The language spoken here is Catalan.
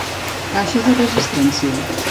Caixa de resistència.